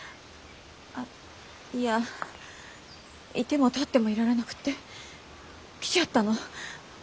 あっいやいてもたってもいられなくって来ちゃったの。